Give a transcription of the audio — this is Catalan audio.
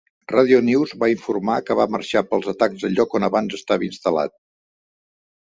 Radio News va informar que va marxar pels atacs al lloc on abans estava instal·lat.